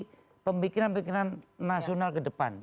itu di dalam konsepsi pemikiran pemikiran nasional ke depan